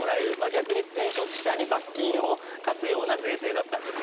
逆に言うと転職者に罰金を科すような税制だったんです。